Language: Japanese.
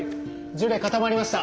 ジュレ固まりました。